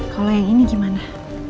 kalau yang ini gimana